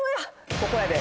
ここやで。